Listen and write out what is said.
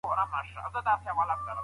که ايډيالوژي سخته وي خلګ به بغاوت وکړي.